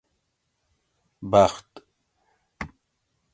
بخت